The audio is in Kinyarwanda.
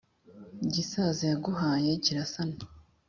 gisaza yaguhaye kirasana